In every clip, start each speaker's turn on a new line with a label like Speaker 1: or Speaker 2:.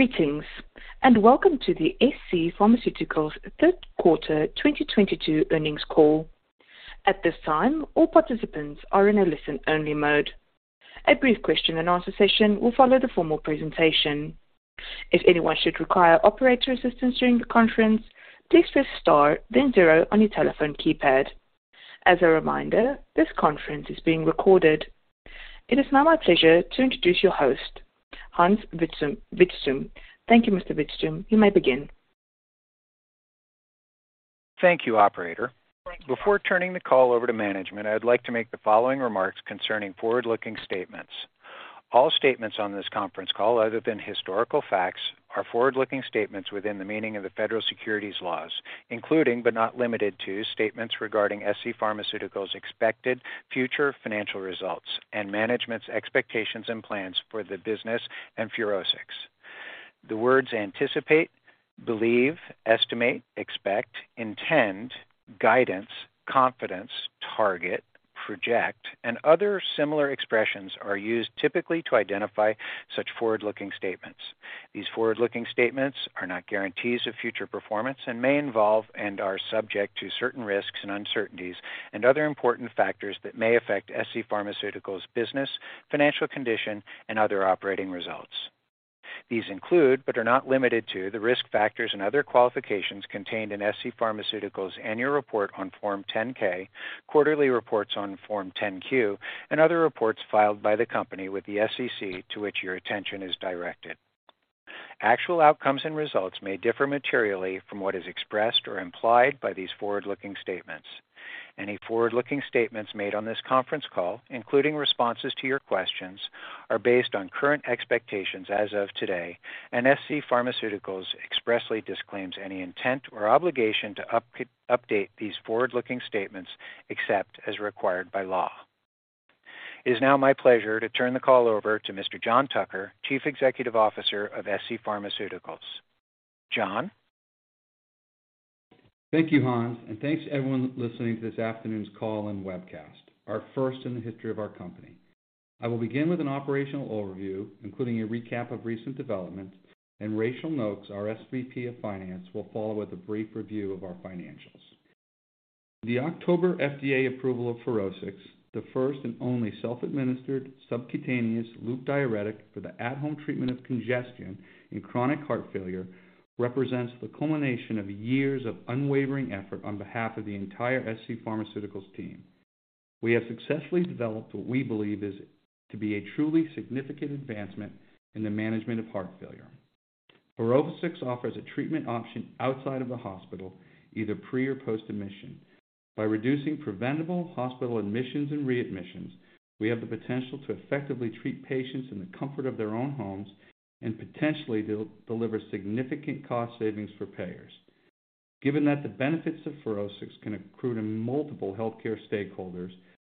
Speaker 1: Greetings, and welcome to the scPharmaceuticals' third quarter 2022 earnings call. At this time, all participants are in a listen-only mode. A brief question and answer session will follow the formal presentation. If anyone should require operator assistance during the conference, please press star then zero on your telephone keypad. As a reminder, this conference is being recorded. It is now my pleasure to introduce your host, Hans Vitzthum. Thank you, Mr. Vitzthum. You may begin.
Speaker 2: Thank you, operator. Before turning the call over to management, I would like to make the following remarks concerning forward-looking statements. All statements on this conference call, other than historical facts, are forward-looking statements within the meaning of the federal securities laws, including, but not limited to, statements regarding scPharmaceuticals' expected future financial results and management's expectations and plans for the business and FUROSCIX. The words anticipate, believe, estimate, expect, intend, guidance, confidence, target, project, and other similar expressions are used typically to identify such forward-looking statements. These forward-looking statements are not guarantees of future performance and may involve and are subject to certain risks and uncertainties and other important factors that may affect scPharmaceuticals' business, financial condition, and other operating results. These include, but are not limited to, the risk factors and other qualifications contained in scPharmaceuticals' annual report on Form 10-K, quarterly reports on Form 10-Q, and other reports filed by the company with the SEC to which your attention is directed. Actual outcomes and results may differ materially from what is expressed or implied by these forward-looking statements. Any forward-looking statements made on this conference call, including responses to your questions, are based on current expectations as of today, and scPharmaceuticals expressly disclaims any intent or obligation to update these forward-looking statements except as required by law. It is now my pleasure to turn the call over to Mr. John Tucker, Chief Executive Officer of scPharmaceuticals. John.
Speaker 3: Thank you, Hans Vitzthum, and thanks to everyone listening to this afternoon's call and webcast, our first in the history of our company. I will begin with an operational overview, including a recap of recent developments, and Rachael Nokes, our SVP of Finance, will follow with a brief review of our financials. The October FDA approval of FUROSCIX, the first and only self-administered subcutaneous loop diuretic for the at-home treatment of congestion in chronic heart failure, represents the culmination of years of unwavering effort on behalf of the entire scPharmaceuticals team. We have successfully developed what we believe is to be a truly significant advancement in the management of heart failure. FUROSCIX offers a treatment option outside of the hospital, either pre or post-admission. By reducing preventable hospital admissions and readmissions, we have the potential to effectively treat patients in the comfort of their own homes and potentially deliver significant cost savings for payers. Given that the benefits of FUROSCIX can accrue to multiple healthcare stakeholders,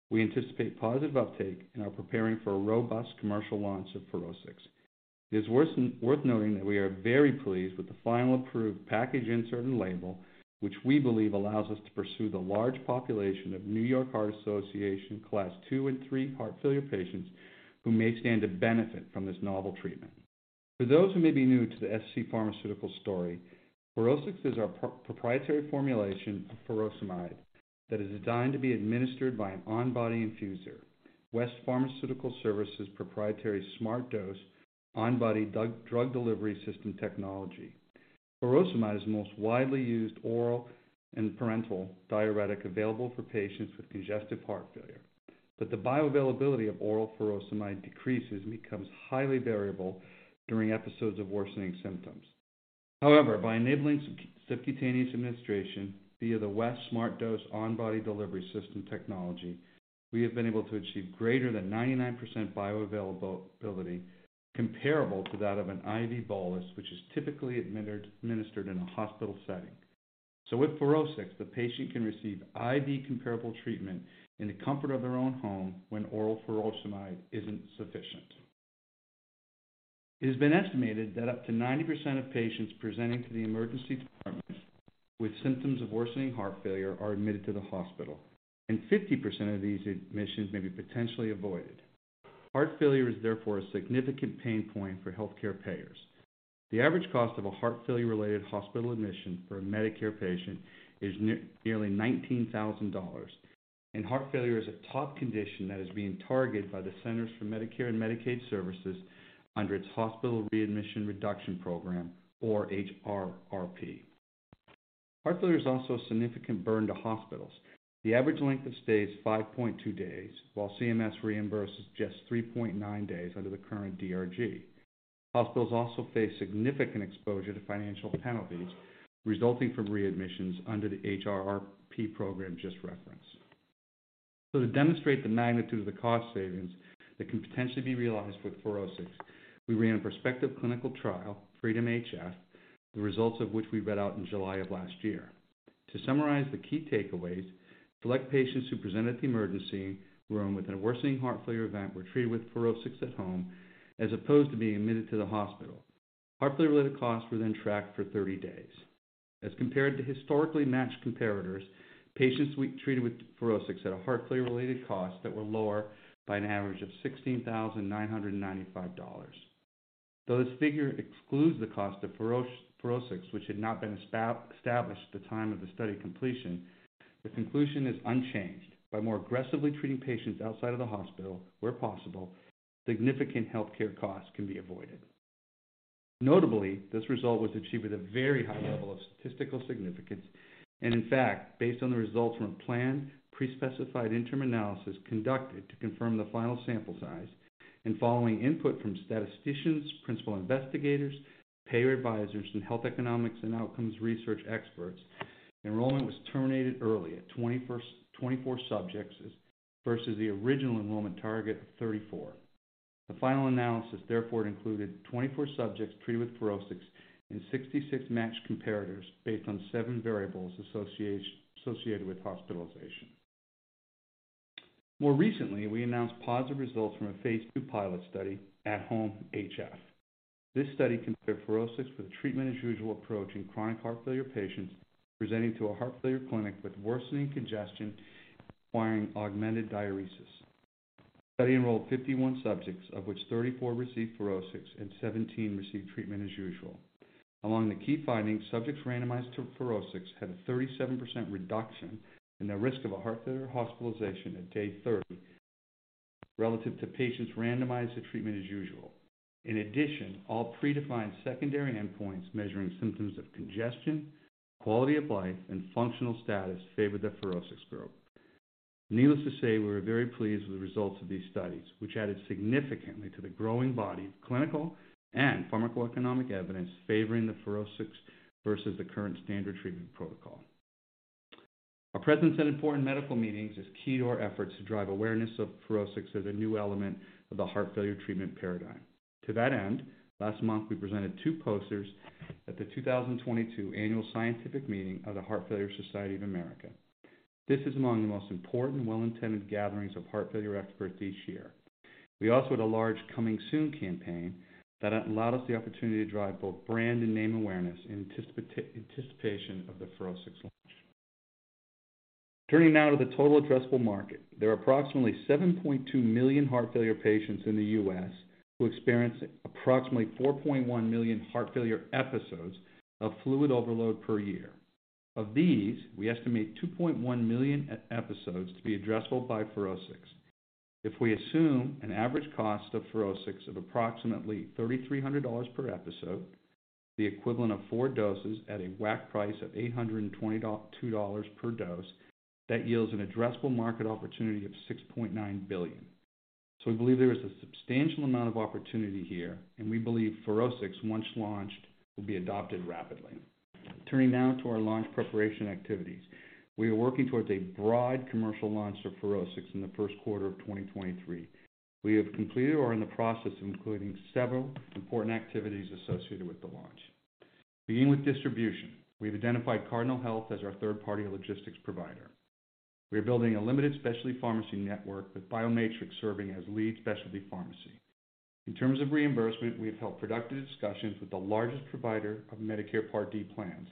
Speaker 3: we anticipate positive uptake and are preparing for a robust commercial launch of FUROSCIX. It is worth noting that we are very pleased with the final approved package insert and label, which we believe allows us to pursue the large population of New York Heart Association Class 2 and 3 heart failure patients who may stand to benefit from this novel treatment. For those who may be new to the scPharmaceuticals story, FUROSCIX is our proprietary formulation of furosemide that is designed to be administered by an on-body infuser, West Pharmaceutical Services' proprietary SmartDose on-body drug delivery system technology. Furosemide is the most widely used oral and parenteral diuretic available for patients with congestive heart failure. The bioavailability of oral furosemide decreases and becomes highly variable during episodes of worsening symptoms. However, by enabling subcutaneous administration via the West SmartDose on-body delivery system technology, we have been able to achieve greater than 99% bioavailability comparable to that of an IV bolus, which is typically administered in a hospital setting. With FUROSCIX, the patient can receive IV comparable treatment in the comfort of their own home when oral furosemide isn't sufficient. It has been estimated that up to 90% of patients presenting to the emergency department with symptoms of worsening heart failure are admitted to the hospital, and 50% of these admissions may be potentially avoided. Heart failure is therefore a significant pain point for healthcare payers. The average cost of a heart failure-related hospital admission for a Medicare patient is nearly $19,000, and heart failure is a top condition that is being targeted by the Centers for Medicare & Medicaid Services under its Hospital Readmission Reduction Program or HRRP. Heart failure is also a significant burden to hospitals. The average length of stay is 5.2 days, while CMS reimburses just 3.9 days under the current DRG. Hospitals also face significant exposure to financial penalties resulting from readmissions under the HRRP program just referenced. To demonstrate the magnitude of the cost savings that can potentially be realized with FUROSCIX, we ran a prospective clinical trial, FREEDOM-HF, the results of which we read out in July of last year. To summarize the key takeaways, select patients who presented at the emergency room with a worsening heart failure event were treated with FUROSCIX at home as opposed to being admitted to the hospital. Heart failure-related costs were then tracked for 30 days. As compared to historically matched comparators, patients we treated with FUROSCIX had a heart failure-related cost that were lower by an average of $16,995. Though this figure excludes the cost of FUROSCIX, which had not been established at the time of the study completion, the conclusion is unchanged. By more aggressively treating patients outside of the hospital, where possible, significant healthcare costs can be avoided. Notably, this result was achieved with a very high level of statistical significance and in fact, based on the results from a planned pre-specified interim analysis conducted to confirm the final sample size and following input from statisticians, principal investigators, payer advisors, and health economics and outcomes research experts, enrollment was terminated early at 24 subjects versus the original enrollment target of 34. The final analysis therefore included 24 subjects treated with FUROSCIX and 66 matched comparators based on seven variables associated with hospitalization. More recently, we announced positive results from AT HOME-HF. This study compared FUROSCIX with a treatment as usual approach in chronic heart failure patients presenting to a heart failure clinic with worsening congestion requiring augmented diuresis. The study enrolled 51 subjects, of which 34 received FUROSCIX and 17 received treatment as usual. Among the key findings, subjects randomized to FUROSCIX had a 37% reduction in their risk of a heart failure hospitalization at day 30 relative to patients randomized to treatment as usual. In addition, all predefined secondary endpoints measuring symptoms of congestion, quality of life, and functional status favored the FUROSCIX group. Needless to say, we were very pleased with the results of these studies, which added significantly to the growing body of clinical and pharmacoeconomic evidence favoring the FUROSCIX versus the current standard treatment protocol. Our presence at important medical meetings is key to our efforts to drive awareness of FUROSCIX as a new element of the heart failure treatment paradigm. To that end, last month we presented two posters at the 2022 annual scientific meeting of the Heart Failure Society of America. This is among the most important and well-attended gatherings of heart failure experts each year. We also had a large Coming Soon campaign that allowed us the opportunity to drive both brand and name awareness in anticipation of the FUROSCIX launch. Turning now to the total addressable market. There are approximately 7.2 million heart failure patients in the U.S. who experience approximately 4.1 million heart failure episodes of fluid overload per year. Of these, we estimate 2.1 million episodes to be addressable by FUROSCIX. If we assume an average cost of FUROSCIX of approximately $3,300 per episode, the equivalent of four doses at a WAC price of $822 per dose, that yields an addressable market opportunity of $6.9 billion. We believe there is a substantial amount of opportunity here, and we believe FUROSCIX, once launched, will be adopted rapidly. Turning now to our launch preparation activities. We are working towards a broad commercial launch of FUROSCIX in the first quarter of 2023. We have completed or are in the process of including several important activities associated with the launch. Beginning with distribution, we've identified Cardinal Health as our third-party logistics provider. We are building a limited specialty pharmacy network with BioMatrix serving as lead specialty pharmacy. In terms of reimbursement, we have held productive discussions with the largest provider of Medicare Part D plans.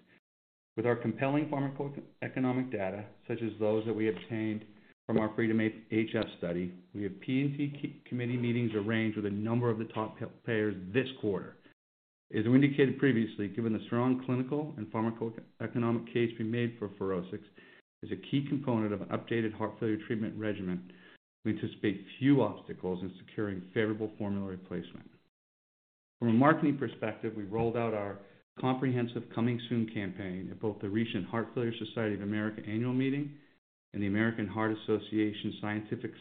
Speaker 3: With our compelling pharmacoeconomic data, such as those that we obtained from our FREEDOM-HF study, we have P&T committee meetings arranged with a number of the top payers this quarter. As we indicated previously, given the strong clinical and pharmacoeconomic case we made for FUROSCIX as a key component of an updated heart failure treatment regimen, we anticipate few obstacles in securing favorable formulary placement. From a marketing perspective, we've rolled out our comprehensive Coming Soon campaign at both the recent Heart Failure Society of America annual meeting and the American Heart Association scientific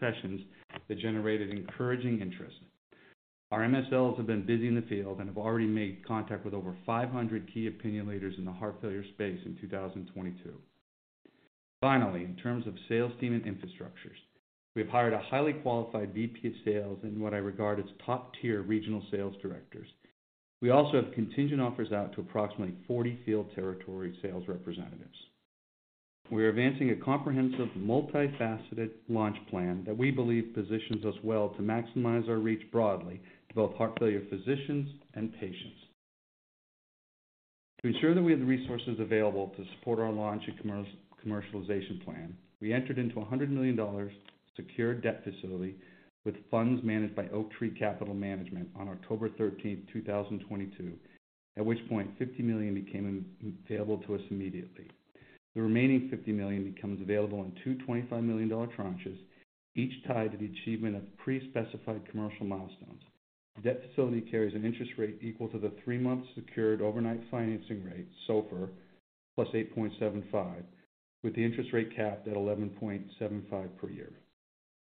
Speaker 3: sessions that generated encouraging interest. Our MSLs have been busy in the field and have already made contact with over 500 key opinion leaders in the heart failure space in 2022. Finally, in terms of sales team and infrastructures, we have hired a highly qualified VP of sales in what I regard as top-tier regional sales directors. We also have contingent offers out to approximately 40 field territory sales representatives. We are advancing a comprehensive multifaceted launch plan that we believe positions us well to maximize our reach broadly to both heart failure physicians and patients. To ensure that we have the resources available to support our launch and commercialization plan, we entered into a $100 million secured debt facility with funds managed by Oaktree Capital Management on October 13, 2022, at which point $50 million became available to us immediately. The remaining $50 million becomes available in two $25 million tranches, each tied to the achievement of pre-specified commercial milestones. The debt facility carries an interest rate equal to the three month secured overnight financing rate, SOFR, +8.75, with the interest rate capped at 11.75 per year.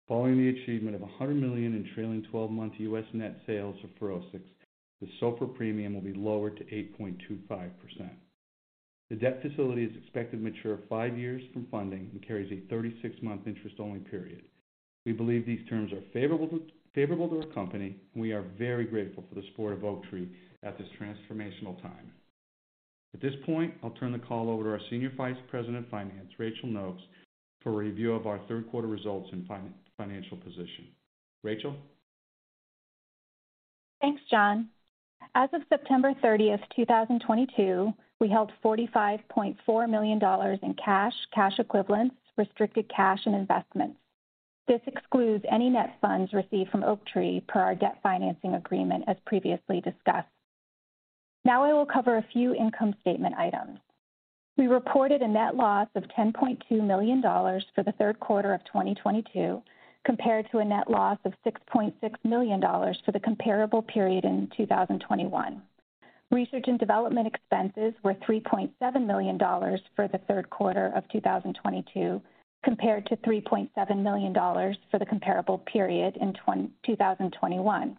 Speaker 3: Following the achievement of $100 million in trailing 12 month US net sales of FUROSCIX, the SOFR premium will be lowered to 8.25%. The debt facility is expected to mature five years from funding and carries a 36-month interest-only period. We believe these terms are favorable to our company, and we are very grateful for the support of Oaktree at this transformational time. At this point, I'll turn the call over to our Senior Vice President of Finance, Rachael Nokes, for a review of our third quarter results and financial position. Rachel?
Speaker 4: Thanks, John. As of September 30, 2022, we held $45.4 million in cash equivalents, restricted cash and investments. This excludes any net funds received from Oaktree per our debt financing agreement, as previously discussed. Now I will cover a few income statement items. We reported a net loss of $10.2 million for the third quarter of 2022, compared to a net loss of $6.6 million for the comparable period in 2021. Research and development expenses were $3.7 million for the third quarter of 2022, compared to $3.7 million for the comparable period in 2021.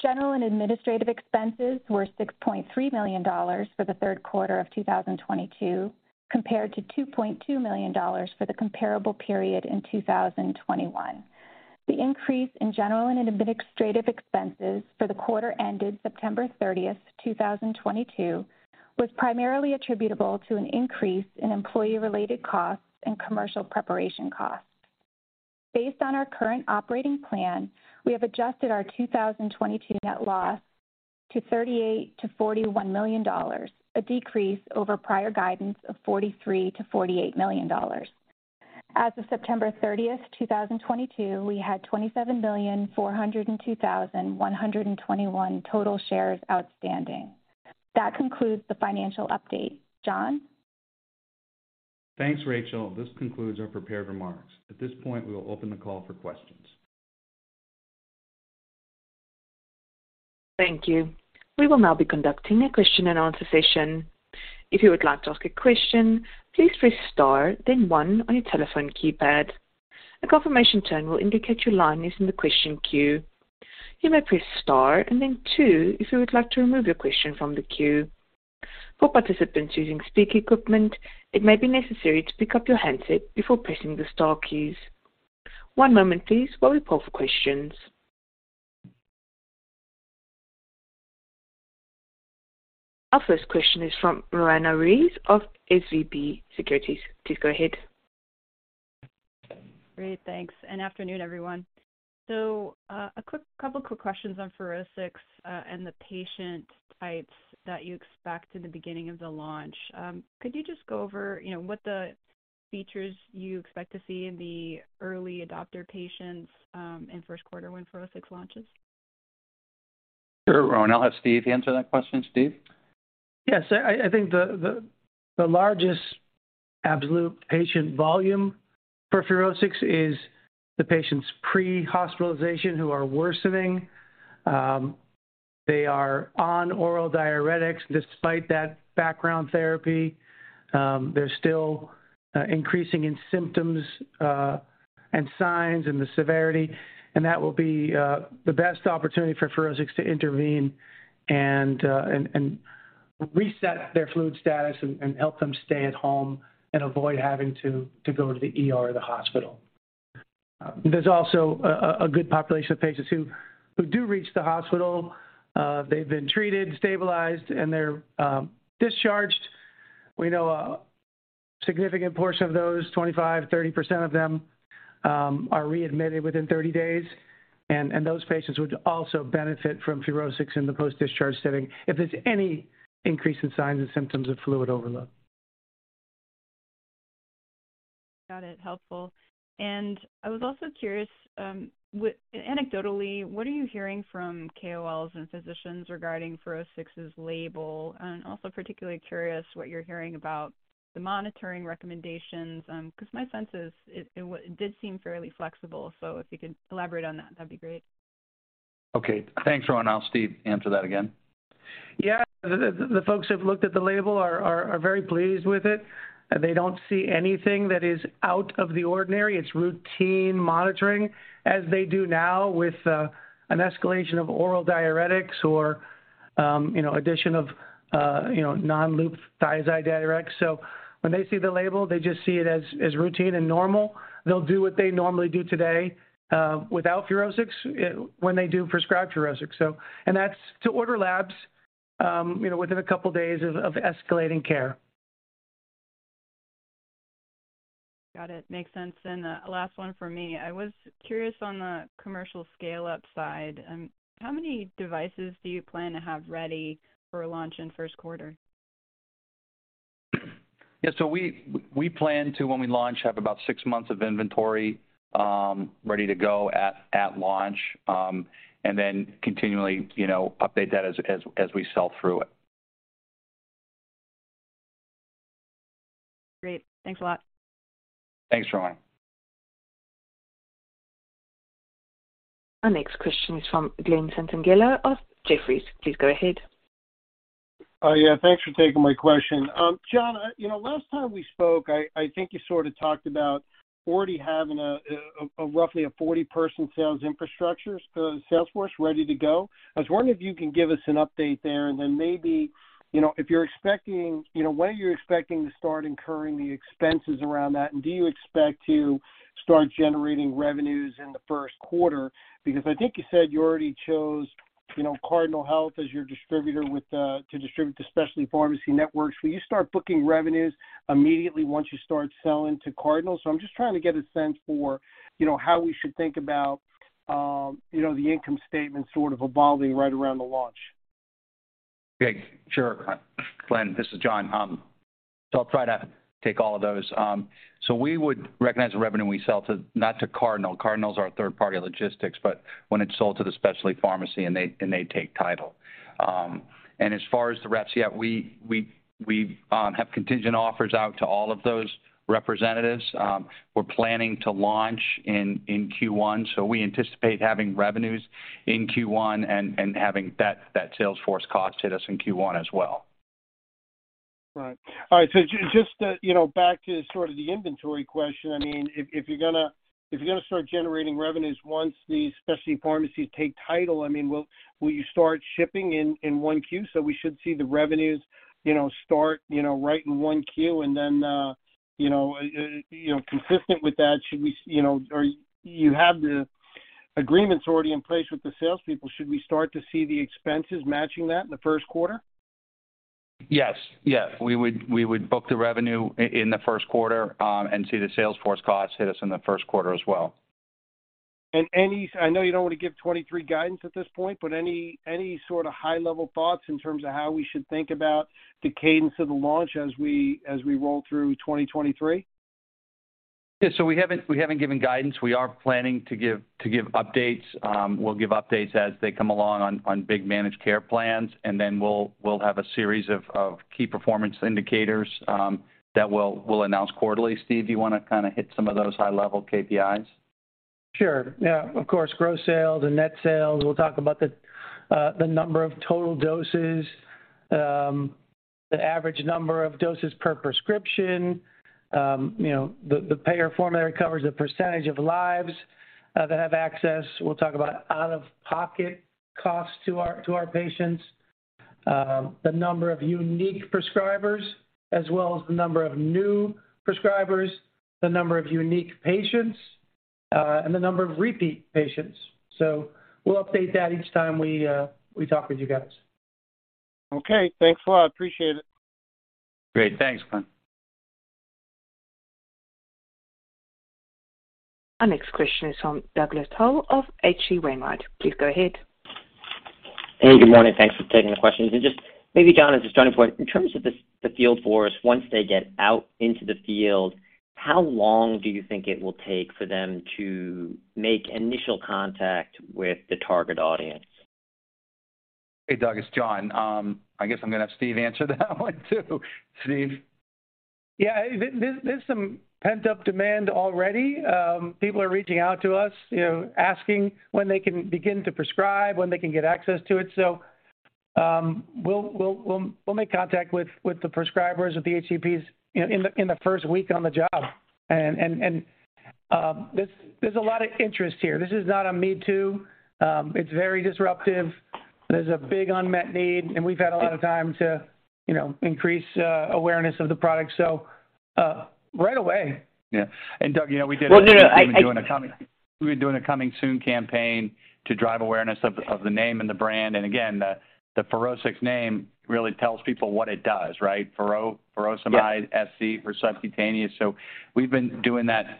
Speaker 4: General and administrative expenses were $6.3 million for the third quarter of 2022, compared to $2.2 million for the comparable period in 2021. The increase in general and administrative expenses for the quarter ended September 30, 2022 was primarily attributable to an increase in employee-related costs and commercial preparation costs. Based on our current operating plan, we have adjusted our 2022 net loss to $38-$41 million, a decrease over prior guidance of $43-$48 million. As of September 30, 2022, we had 27,402,121 total shares outstanding. That concludes the financial update. John?
Speaker 3: Thanks, Rachael. This concludes our prepared remarks. At this point, we will open the call for questions.
Speaker 1: Thank you. We will now be conducting a question and answer session. If you would like to ask a question, please press star then one on your telephone keypad. A confirmation tone will indicate your line is in the question queue. You may press star and then two if you would like to remove your question from the queue. For participants using speaker equipment, it may be necessary to pick up your handset before pressing the star keys. One moment please while we call for questions. Our first question is from Roanna Ruiz of SVB Securities. Please go ahead.
Speaker 5: Good afternoon, everyone. Thanks, a couple quick questions on FUROSCIX and the patient types that you expect in the beginning of the launch. Could you just go over, you know, what the features you expect to see in the early adopter patients in first quarter when FUROSCIX launches?
Speaker 3: Sure, Roanna. I'll have Steve answer that question. Steve?
Speaker 6: Yes. I think the largest absolute patient volume for FUROSCIX is the patients pre-hospitalization who are worsening. They are on oral diuretics. Despite that background therapy, they're still increasing in symptoms and signs and the severity, and that will be the best opportunity for FUROSCIX to intervene and reset their fluid status and help them stay at home and avoid having to go to the ER or the hospital. There's also a good population of patients who do reach the hospital. They've been treated, stabilized, and they're discharged. We know a significant portion of those, 25%-30% of them, are readmitted within 30 days and those patients would also benefit from FUROSCIX in the post-discharge setting if there's any increase in signs and symptoms of fluid overload.
Speaker 5: Got it. Helpful. I was also curious, anecdotally, what are you hearing from KOLs and physicians regarding FUROSCIX's label? I was also particularly curious what you're hearing about the monitoring recommendations, 'cause my sense is it did seem fairly flexible. If you could elaborate on that'd be great.
Speaker 3: Okay. Thanks, Roanna. I'll have Steve answer that again.
Speaker 6: Yeah. The folks who have looked at the label are very pleased with it. They don't see anything that is out of the ordinary. It's routine monitoring as they do now with an escalation of oral diuretics or you know addition of non-loop thiazide diuretics. When they see the label, they just see it as routine and normal. They'll do what they normally do today without FUROSCIX when they do prescribe FUROSCIX. That's to order labs you know within a couple days of escalating care.
Speaker 5: Got it. Makes sense. A last one for me. I was curious on the commercial scale-up side, how many devices do you plan to have ready for launch in first quarter?
Speaker 3: We plan to, when we launch, have about six months of inventory ready to go at launch, and then continually you know update that as we sell through it.
Speaker 5: Great. Thanks a lot.
Speaker 3: Thanks, Roanna.
Speaker 1: Our next question is from Glen Santangelo of Jefferies. Please go ahead.
Speaker 7: Yeah. Thanks for taking my question. John, you know, last time we spoke, I think you sort of talked about already having a roughly 40-person sales infrastructure, sales force ready to go. I was wondering if you can give us an update there and then maybe, you know, if you're expecting. You know, when are you expecting to start incurring the expenses around that, and do you expect to start generating revenues in the first quarter? Because I think you said you already chose, you know, Cardinal Health as your distributor with to distribute to specialty pharmacy networks. Will you start booking revenues immediately once you start selling to Cardinal? I'm just trying to get a sense for, you know, how we should think about, you know, the income statement sort of evolving right around the launch.
Speaker 3: Okay, sure. Glen, this is John. I'll try to take all of those. We would recognize the revenue we sell not to Cardinal Health. Cardinal Health's our third-party logistics, but when it's sold to the specialty pharmacy, and they take title. As far as the reps, yeah, we have contingent offers out to all of those representatives. We're planning to launch in Q1, so we anticipate having revenues in Q1 and having that sales force cost hit us in Q1 as well.
Speaker 7: Right. All right. Just, you know, back to sort of the inventory question. I mean, if you're gonna start generating revenues once the specialty pharmacies take title, I mean, will you start shipping in 1Q? We should see the revenues, you know, start, you know, right in 1Q, and then, you know, consistent with that, should we, you know, or you have the agreements already in place with the salespeople. Should we start to see the expenses matching that in the first quarter?
Speaker 3: Yes. We would book the revenue in the first quarter and see the sales force costs hit us in the first quarter as well.
Speaker 7: I know you don't wanna give 2023 guidance at this point, but any sort of high-level thoughts in terms of how we should think about the cadence of the launch as we roll through 2023?
Speaker 3: Yeah. We haven't given guidance. We are planning to give updates. We'll give updates as they come along on big managed care plans, and then we'll have a series of key performance indicators that we'll announce quarterly. Steve, do you wanna kinda hit some of those high-level KPIs?
Speaker 6: Sure. Yeah. Of course, gross sales and net sales. We'll talk about the number of total doses, the average number of doses per prescription. You know, the payer formulary covers the percentage of lives that have access. We'll talk about out-of-pocket costs to our patients. The number of unique prescribers, as well as the number of new prescribers, the number of unique patients, and the number of repeat patients. We'll update that each time we talk with you guys.
Speaker 7: Okay. Thanks a lot. Appreciate it.
Speaker 3: Great. Thanks, Glenn.
Speaker 1: Our next question is from Douglas Tsao of H.C. Wainwright. Please go ahead.
Speaker 8: Hey, good morning. Thanks for taking the questions. Just maybe, John, as a starting point, in terms of the field force, once they get out into the field, how long do you think it will take for them to make initial contact with the target audience?
Speaker 3: Hey, Douglas, it's John. I guess I'm gonna have Steve answer that one, too. Steve.
Speaker 6: Yeah. There's some pent-up demand already. People are reaching out to us, you know, asking when they can begin to prescribe, when they can get access to it. We'll make contact with the prescribers, with the HCPs, you know, in the first week on the job. There's a lot of interest here. This is not a me too. It's very disruptive. There's a big unmet need, and we've had a lot of time to, you know, increase awareness of the product. Right away.
Speaker 3: Yeah. Douglas, you know, we did.
Speaker 8: Well, you know, I.
Speaker 3: We've been doing a coming soon campaign to drive awareness of the name and the brand. Again, the FUROSCIX name really tells people what it does, right? Furosemide.
Speaker 6: Yeah.
Speaker 3: SC for subcutaneous. We've been doing that,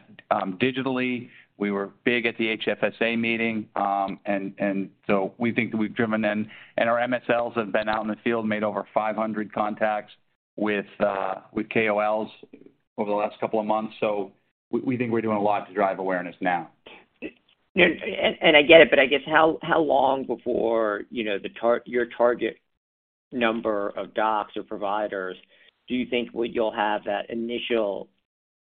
Speaker 3: digitally. We were big at the HFSA meeting, and so we think that we've driven them. Our MSLs have been out in the field, made over 500 contacts with KOLs over the last couple of months. We think we're doing a lot to drive awareness now.
Speaker 8: I get it, but I guess how long before, you know, your target number of docs or providers do you think you'll have that initial,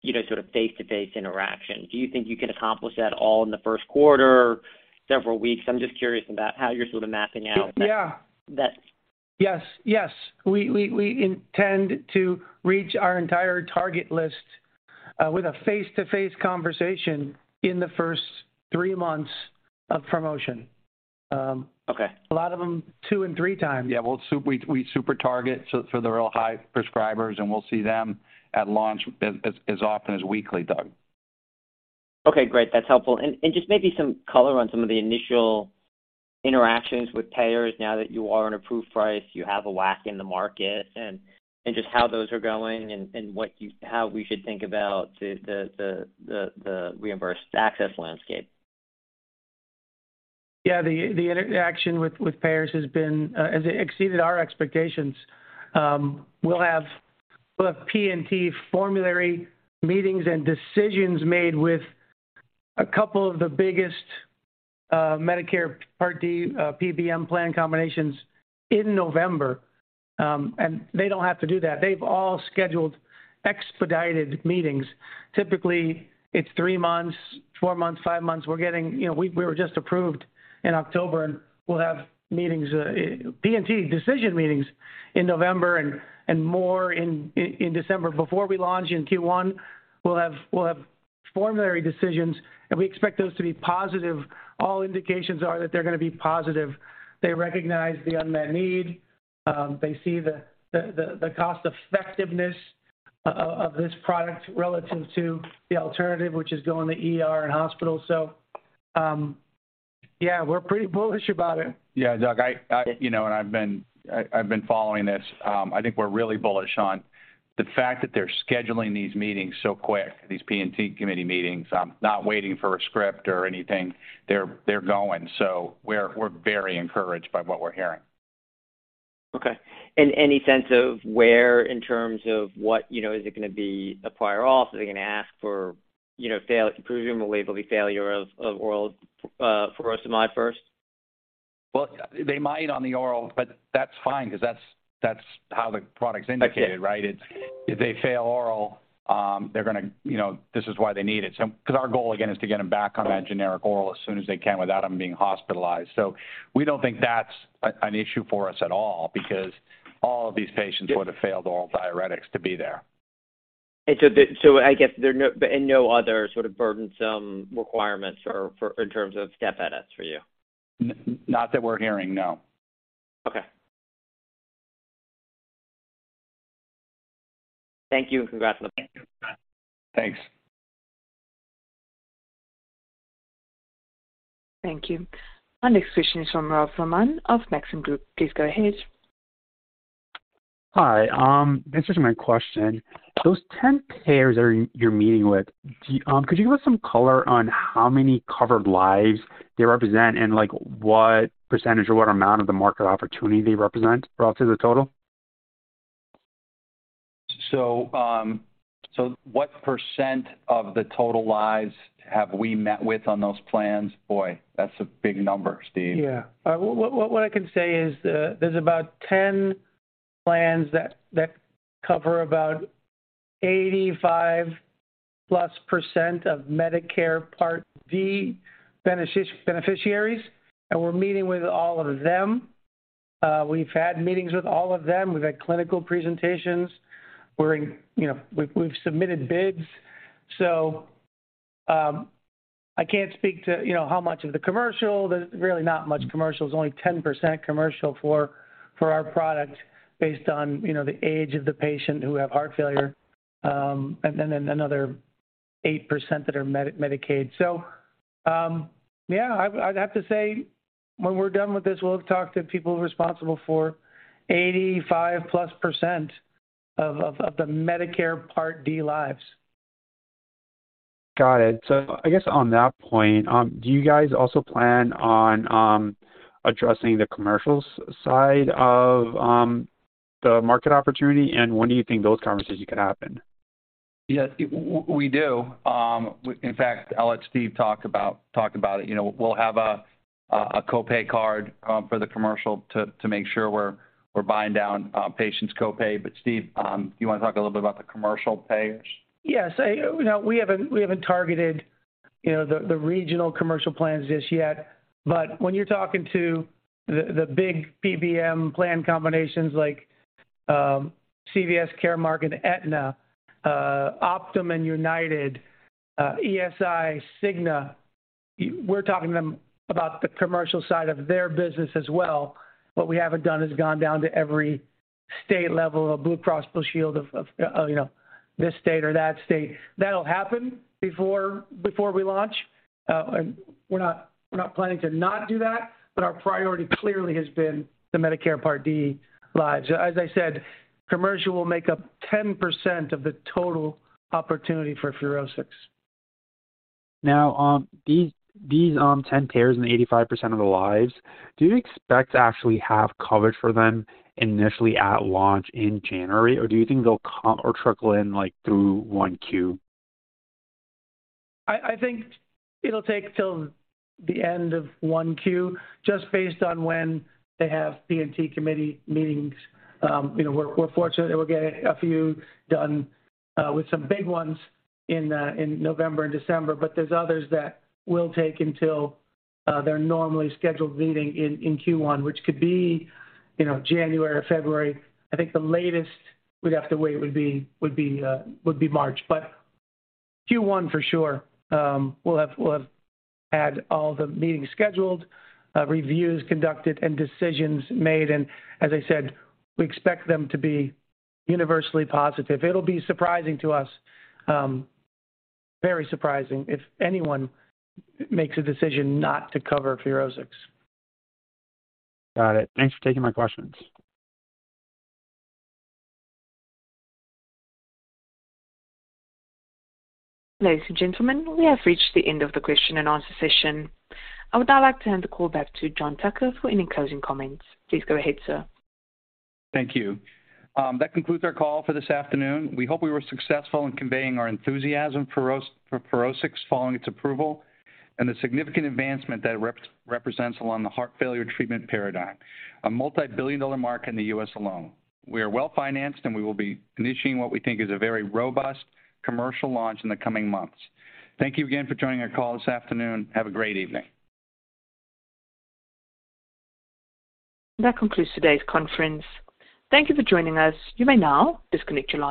Speaker 8: you know, sort of face-to-face interaction? Do you think you can accomplish that all in the first quarter, several weeks? I'm just curious about how you're sort of mapping out that.
Speaker 6: Yeah
Speaker 8: That.
Speaker 6: Yes. We intend to reach our entire target list with a face-to-face conversation in the first three months of promotion.
Speaker 8: Okay.
Speaker 6: A lot of them two and three times.
Speaker 3: We'll super target so for the real high prescribers, and we'll see them at launch as often as weekly, Douglas.
Speaker 8: Okay, great. That's helpful. Just maybe some color on some of the initial interactions with payers now that you are an approved price, you have a WAC in the market, and just how those are going and how we should think about the reimbursed access landscape?
Speaker 6: Yeah. The interaction with payers has exceeded our expectations. We'll have P&T formulary meetings and decisions made with a couple of the biggest Medicare Part D PBM plan combinations in November. They don't have to do that. They've all scheduled expedited meetings. Typically, it's three months, four months, five months. We're getting you know. We were just approved in October, and we'll have meetings P&T decision meetings in November and more in December. Before we launch in Q1, we'll have formulary decisions, and we expect those to be positive. All indications are that they're gonna be positive. They recognize the unmet need. They see the cost effectiveness of this product relative to the alternative, which is going to ER and hospitals. Yeah, we're pretty bullish about it.
Speaker 3: Yeah. Doug, you know, I've been following this. I think we're really bullish on the fact that they're scheduling these meetings so quick, these P&T committee meetings. Not waiting for a script or anything. They're going. We're very encouraged by what we're hearing.
Speaker 8: Okay. Any sense of where in terms of what, you know, is it gonna be a prior auth? Are they gonna ask for, you know, failure of oral furosemide first?
Speaker 3: Well, they might on the oral, but that's fine 'cause that's how the product's indicated, right?
Speaker 8: Okay.
Speaker 3: It's if they fail oral, they're gonna, you know, this is why they need it. 'Cause our goal again is to get them back on that generic oral as soon as they can without them being hospitalized. We don't think that's an issue for us at all because all of these patients would've failed oral diuretics to be there.
Speaker 8: I guess there are no other sort of burdensome requirements for in terms of step edits for you?
Speaker 3: Not that we're hearing, no.
Speaker 8: Okay. Thank you and congrats on the launch.
Speaker 3: Thanks.
Speaker 1: Thank you. Our next question is from Naz Rahman of Maxim Group. Please go ahead.
Speaker 9: Hi. Thanks for taking my question. Those 10 payers that you're meeting with, could you give us some color on how many covered lives they represent and, like, what percentage or what amount of the market opportunity they represent relative to the total?
Speaker 3: What % of the total lives have we met with on those plans? Boy, that's a big number, Steve.
Speaker 6: Yeah. What I can say is, there's about 10 plans that cover about 85%+ of Medicare Part D beneficiaries, and we're meeting with all of them. We've had meetings with all of them. We've had clinical presentations. We're in, you know, we've submitted bids. I can't speak to, you know, how much of the commercial. There's really not much commercial. There's only 10% commercial for our product based on, you know, the age of the patient who have heart failure, and then another 8% that are Medicaid. Yeah, I'd have to say when we're done with this, we'll have talked to people responsible for 85%+ of the Medicare Part D lives.
Speaker 9: Got it. I guess on that point, do you guys also plan on addressing the commercial side of the market opportunity? When do you think those conversations could happen?
Speaker 3: Yes, we do. In fact, I'll let Steve talk about it. You know, we'll have a copay card for the commercial to make sure we're buying down patients' copay. Steve, do you wanna talk a little bit about the commercial payers?
Speaker 6: Yes. You know, we haven't targeted you know the regional commercial plans just yet. When you're talking to the big PBM plan combinations like CVS Caremark and Aetna, Optum and United, ESI, Cigna, we're talking to them about the commercial side of their business as well. What we haven't done is gone down to every state level of Blue Cross Blue Shield of you know this state or that state. That'll happen before we launch. We're not planning to not do that, but our priority clearly has been the Medicare Part D lives. As I said, commercial will make up 10% of the total opportunity for FUROSCIX.
Speaker 9: Now, these 10 payers and the 85% of the lives, do you expect to actually have coverage for them initially at launch in January? Or do you think they'll come or trickle in, like, through 1Q?
Speaker 6: I think it'll take till the end of Q1 just based on when they have P&T committee meetings. You know, we're fortunate that we're getting a few done with some big ones in November and December. There's others that will take until their normally scheduled meeting in Q1, which could be, you know, January or February. I think the latest we'd have to wait would be March. Q1 for sure, we'll have had all the meetings scheduled, reviews conducted, and decisions made. As I said, we expect them to be universally positive. It'll be surprising to us, very surprising if anyone makes a decision not to cover FUROSCIX.
Speaker 9: Got it. Thanks for taking my questions.
Speaker 1: Ladies and gentlemen, we have reached the end of the question and answer session. I would now like to hand the call back to John Tucker for any closing comments. Please go ahead, sir.
Speaker 3: Thank you. That concludes our call for this afternoon. We hope we were successful in conveying our enthusiasm for FUROSCIX following its approval and the significant advancement that represents along the heart failure treatment paradigm, a multi-billion-dollar market in the U.S. alone. We are well-financed, and we will be initiating what we think is a very robust commercial launch in the coming months. Thank you again for joining our call this afternoon. Have a great evening.
Speaker 1: That concludes today's conference. Thank you for joining us. You may now disconnect your line.